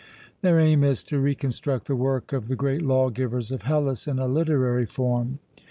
Their aim is to reconstruct the work of the great lawgivers of Hellas in a literary form.